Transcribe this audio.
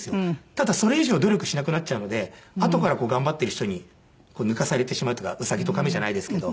ただそれ以上努力しなくなっちゃうのであとから頑張っている人に抜かされてしまうっていうか『ウサギとカメ』じゃないですけど。